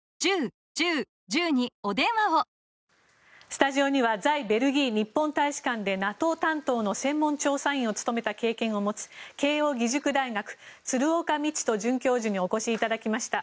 スタジオには在ベルギー日本大使館でＮＡＴＯ担当の専門調査員を務めた経験を持つ慶應義塾大学、鶴岡路人准教授にお越しいただきました。